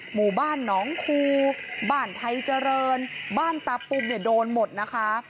หมู่บ้านหนองคูบ้านไทยเจริญบ้านตาปุมเนี่ยโดนหมดนะคะ